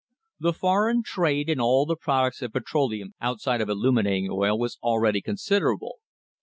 The foreign trade in all the products of petroleum outside of illuminating oil was already considerable.